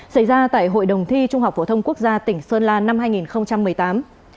xảy ra tại hội đồng thi trung học phổ thông quốc gia tỉnh sơn la năm hai nghìn một mươi tám